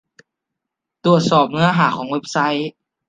ตรวจสอบเนื้อหาของเว็บไซต์